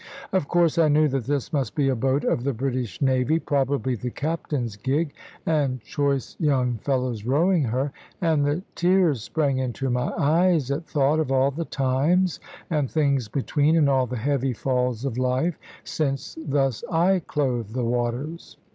Of course I knew that this must be a boat of the British navy, probably the captain's gig, and choice young fellows rowing her; and the tears sprang into my eyes at thought of all the times and things between, and all the heavy falls of life, since thus I clove the waters.